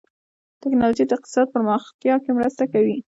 ټکنالوجي د اقتصاد پراختیا کې مرسته کوي.